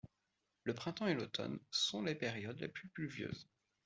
Le printemps et l'automne sont les périodes les plus pluvieuses.